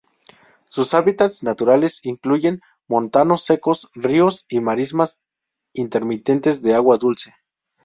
Sus hábitats naturales incluyen montanos secos, ríos y marismas intermitentes de agua dulce.